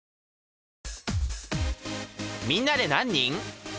みんなで何人？